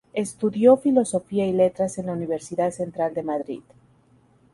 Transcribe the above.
Estudió Filosofía y Letras en la Universidad Central de Madrid.